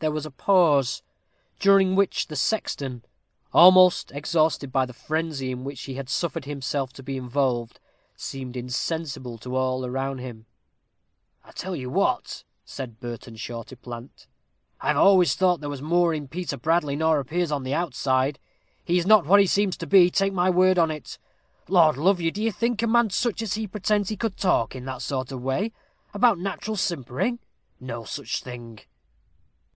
There was a pause, during which the sexton, almost exhausted by the frenzy in which he had suffered himself to be involved, seemed insensible to all around him. "I tell you what," said Burtenshaw to Plant, "I have always thought there was more in Peter Bradley nor appears on the outside. He is not what he seems to be, take my word on it. Lord love you! do you think a man such as he pretends to be could talk in that sort of way about nat'ral simpering? no such thing."